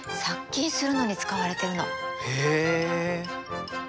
へえ。